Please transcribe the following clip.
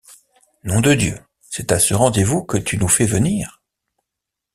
Nom de Dieu! c’est à ce rendez-vous que tu nous fais venir?